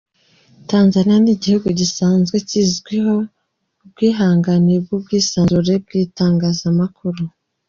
Tanzania ni igihugu gisanzwe kizwiho ubwihanganire bw’ubwisanzure bw’itangazamakuru.